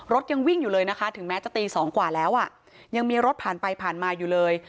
ยังวิ่งอยู่เลยนะคะถึงแม้จะตี๒กว่าแล้วอ่ะยังมีรถผ่านไปผ่านมาอยู่เลย